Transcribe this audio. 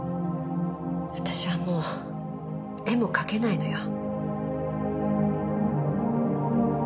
私はもう絵も描けないのよ。